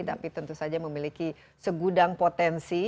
tapi tentu saja memiliki segudang potensi